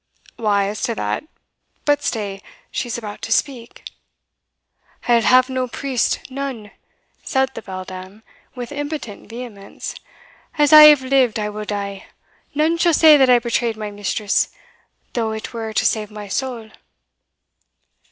"Why, as to that But stay, she is about to speak." "I will have no priest none," said the beldam, with impotent vehemence; "as I have lived I will die none shall say that I betrayed my mistress, though it were to save my soul!"